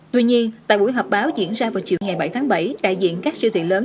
tuy nhiên tại buổi họp báo diễn ra vào chiều ngày bảy tháng bảy đại diện các siêu thị lớn